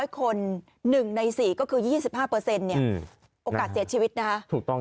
๔๐๐คน๑ใน๔ก็คือ๒๕โอกาสเสียชีวิตนะครับ